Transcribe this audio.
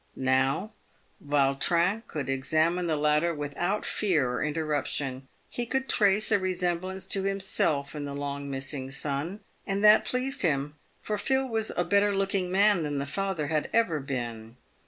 Now Vautrin could examine the latter without fear or interruption. He could trace a resemblance to himself in the long missing son, and that pleased him, for Phil was a better looking man than the father had ever been.